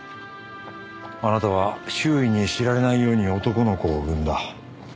あなたは周囲に知られないように男の子を産んだ。